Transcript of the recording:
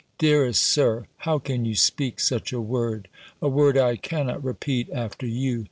"Dearest Sir! how can you speak such a word? A word I cannot repeat after you!